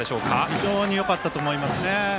非常によかったと思いますね。